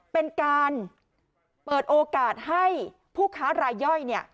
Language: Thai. เป็นการเปิดโอกาสให้ผู้ค้ารายย่อยเนี่ย